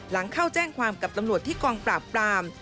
หลังเข้าแจ้งความกับตำรวจที่กองปราบปราม